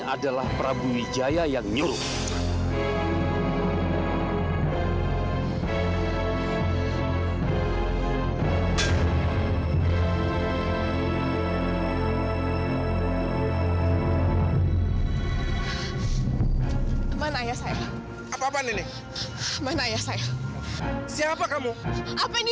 adalah prabu wijaya yang nyuruh mana ya saya apa apa nenek mana ya saya siapa kamu apa ini